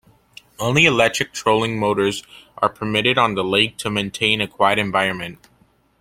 Only electric trolling motors are permitted on the lake to maintain a quiet environment.